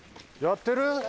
やってる？